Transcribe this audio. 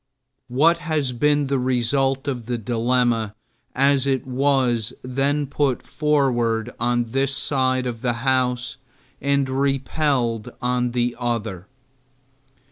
What has been the result of the dilemma as it was then put forward on this side of the House and repelled by the other?